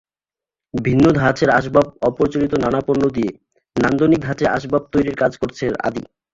ভিন্ন ধাঁচের আসবাবঅপ্রচলিত নানা পণ্য দিয়ে নান্দনিক ধাঁচে আসবাব তৈরির কাজ করছে আদি।